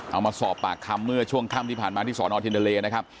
เอามาสอบปากคำเมื่อช่วงค่ำที่ผ่านมาที่สอนอเทียนทะเลนะครับ